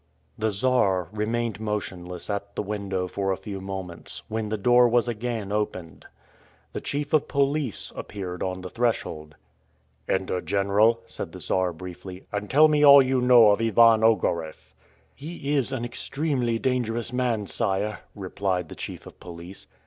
The Czar remained motionless at the window for a few moments, when the door was again opened. The chief of police appeared on the threshold. "Enter, General," said the Czar briefly, "and tell me all you know of Ivan Ogareff." "He is an extremely dangerous man, sire," replied the chief of police.